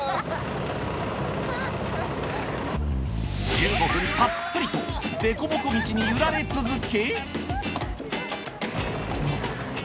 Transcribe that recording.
１５分たっぷりとデコボコ道に揺られ続け。